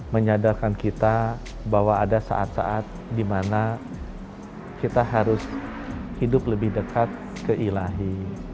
menyadarkan kita bahwa ada saat saat di mana kita harus hidup lebih dekat ke ilahi